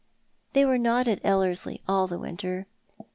They were not at Ellerslie all the winter.